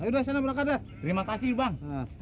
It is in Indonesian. terima kasih bang